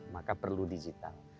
maka perlu digital